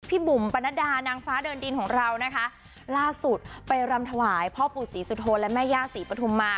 บุ๋มปรณดานางฟ้าเดินดินของเรานะคะล่าสุดไปรำถวายพ่อปู่ศรีสุโธนและแม่ย่าศรีปฐุมมา